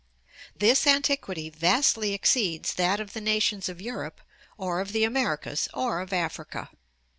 This antiquity vastly exceeds that of the nations of Europe or of the Americas or of Africa.